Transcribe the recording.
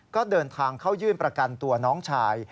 ก็เดินทางเข้ายื่นประกันตัวน้องชาย